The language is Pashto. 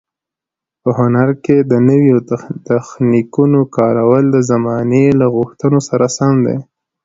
په هنر کې د نویو تخنیکونو کارول د زمانې له غوښتنو سره سم دي.